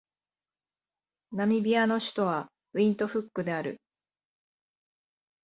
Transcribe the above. ナミビアの首都はウィントフックである